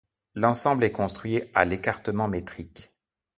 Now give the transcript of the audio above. L'ensemble est construit à l'écartement métrique.